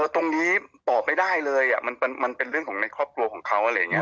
ตรงนี้ตอบไม่ได้เลยมันเป็นเรื่องของในครอบครัวของเขาอะไรอย่างนี้